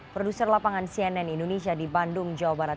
produser lapangan cnn indonesia di bandung jawa barat